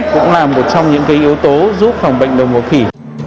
cũng là một trong những yếu tố giúp phòng bệnh đậu mùa khỉ